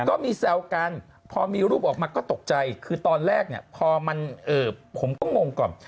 ก็มีแซวกันพอมีรูปออกมาก็ตกใจคือตอนแรกเนี่ยพอมันผมก็งงก่อน